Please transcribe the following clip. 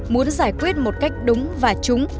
muốn giải quyết một cách đúng và trúng